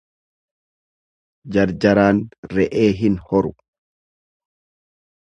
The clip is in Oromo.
Jarjaraan re'ee hin horu.